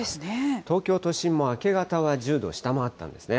東京都心も明け方は１０度を下回ったんですね。